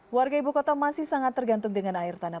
warga ibu kota masih sangat tergantung dengan air tanah